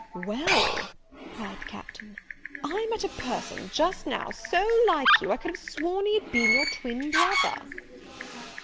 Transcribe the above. "Well," cried the Captain, "I met a person just now so like you, I could have sworn he had been your twin brother."